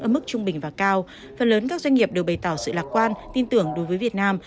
ở mức trung bình và cao phần lớn các doanh nghiệp đều bày tỏ sự lạc quan tin tưởng đối với việt nam